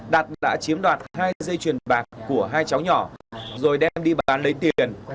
đạt đã chiếm đoạt hai dây chuyền bạc của hai cháu nhỏ rồi đem đi bán lấy tiền